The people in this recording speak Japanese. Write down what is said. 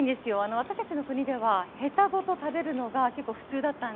私たちの国ではヘタごと食べるのが結構普通だったんです。